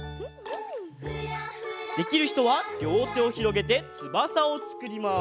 できるひとはりょうてをひろげてつばさをつくります。